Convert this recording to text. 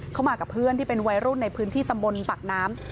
มากับเพื่อนที่เป็นวัยรุ่นในพื้นที่ตำบลปากน้ำ